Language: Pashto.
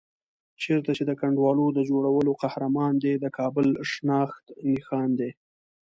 چېرته چې د کنډوالو د جوړولو قهرمان دی، د کابل شناخت نښان دی.